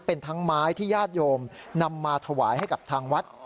เป็นทั้งไม้ที่ญาติโยมนำมาถวายให้กับทางวัด